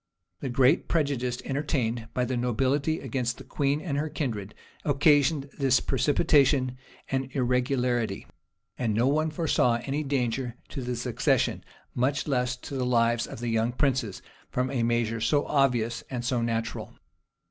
[]* Sir Thomas More, p. 491. Hist. Croyl. Cont, p. 566. The general prejudice entertained by the nobility against the queen and her kindred, occasioned this precipitation and irregularity; and no one foresaw any danger to the succession, much less to the lives of the young princes, from a measure so obvious and so natural.